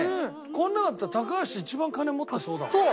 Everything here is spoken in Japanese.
この中だったら高橋一番金持ってそうだもん。